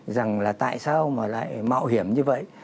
rằng là tại sao mà lại mạo hiểm như vậy